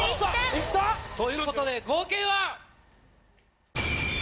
行った⁉ということで合計は？